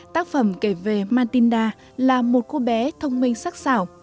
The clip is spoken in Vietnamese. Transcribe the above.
tác phẩm kể về matinda là một cô bé thông minh sắc xảo